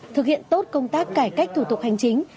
thực hiện tốt công tác cải cách thủ tục hành chính